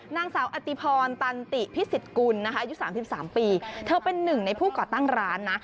นางสาวอติพรตันติพิสิทธิกุลนะคะอายุ๓๓ปีเธอเป็นหนึ่งในผู้ก่อตั้งร้านนะ